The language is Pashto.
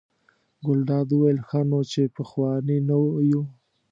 ګلداد وویل: ښه نو چې پخواني نه یو.